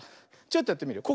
ちょっとやってみるよ。